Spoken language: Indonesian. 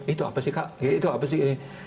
itu apa sih kak itu apa sih ini